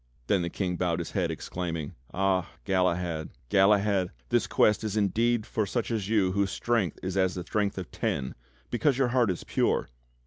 Then the King bowed his head, exclaiming: "Ah! Galahad, Galahad! This Quest is indeed for such as you whose strength is as the strength of ten because your heart is pure!"